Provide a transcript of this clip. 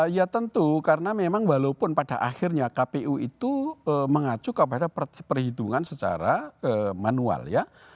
ya tentu karena memang walaupun pada akhirnya kpu itu mengacu kepada perhitungan secara manual ya